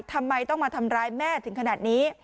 ทำไมต้องมาทำร้ายแม่ถึงขนาดนี้